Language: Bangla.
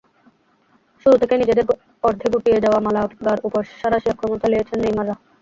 শুরু থেকেই নিজেদের অর্ধে গুটিয়ে যাওয়া মালাগার ওপর সাঁড়াশি আক্রমণ চালিয়েছেন নেইমাররা।